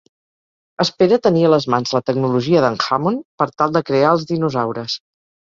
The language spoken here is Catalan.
Espera tenir a les mans la tecnologia d'en Hammond per tal de crear els dinosaures.